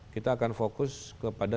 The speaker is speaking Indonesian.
kita akan fokus kepada